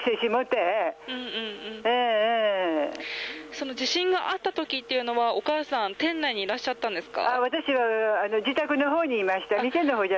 その地震があった時はお母さんは店内にいらっしゃったんですか。